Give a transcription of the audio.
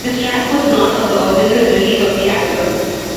This track was not on the original release of the album.